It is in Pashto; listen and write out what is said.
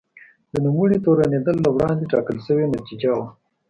د نوموړي تورنېدل له وړاندې ټاکل شوې نتیجه وه.